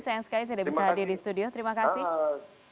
sayang sekali tidak bisa hadir di studio terima kasih